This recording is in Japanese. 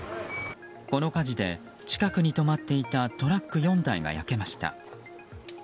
この火事で、近くに止まっていたトラック４台が焼けました。